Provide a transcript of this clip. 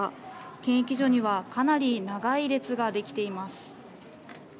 検疫所にはかなり長い列ができています。